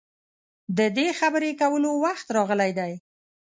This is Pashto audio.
د دې خبرې کولو وخت راغلی دی.